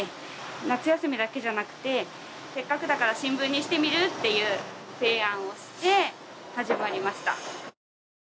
夏休みだけじゃなくてせっかくだから新聞にしてみる？っていう提案をして始まりました。